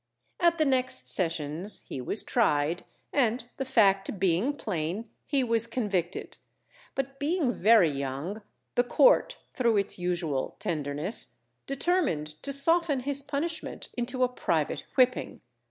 At the next sessions he was tried, and the fact being plain, he was convicted; but being very young, the Court, through its usual tenderness, determined to soften his punishment into a private whipping.